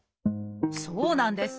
そうなんです。